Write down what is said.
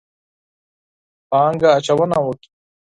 پانګه اچونه وکړي.